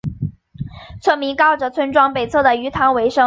村民靠着村庄北侧的鱼塘维生。